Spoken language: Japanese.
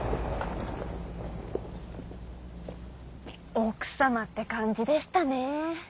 奥様って感じでしたねー。